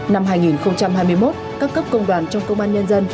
năm hai nghìn hai mươi một các cấp công đoàn trong công an nhân dân